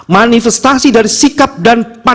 manifestasi dari sikap dan pandangan